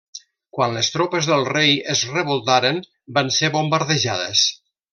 Quan les tropes del rei es revoltaren, van ser bombardejades.